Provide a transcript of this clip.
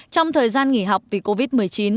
trong thời gian nghỉ học vì covid một mươi chín